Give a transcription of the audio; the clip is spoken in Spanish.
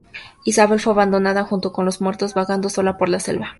Isabel fue abandonada junto con los muertos, vagando sola por la selva.